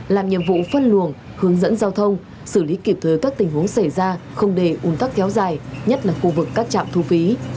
làm nhiệm vụ phân luồng hướng dẫn giao thông xử lý kịp thời các tình huống xảy ra không để un tắc kéo dài nhất là khu vực các trạm thu phí